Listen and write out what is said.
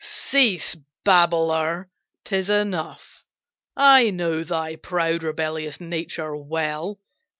"Cease, babbler! 'tis enough! I know Thy proud, rebellious nature well.